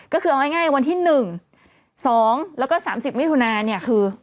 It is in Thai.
ก็คือเอาง่ายวันที่หนึ่งสองแล้วก็สามสิบมิถุนาเนี่ยคือ